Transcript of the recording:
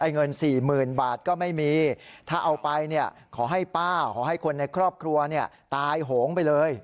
เงิน๔๐๐๐บาทก็ไม่มีถ้าเอาไปขอให้ป้าขอให้คนในครอบครัวตายโหงไปเลย